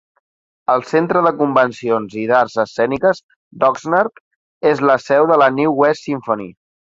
El Centre de convencions i d'arts escèniques d'Oxnard és la seu de la New West Symphony.